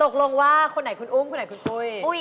ตกลงว่าคนไหนคุณอุ้มคนไหนคุณปุ้ย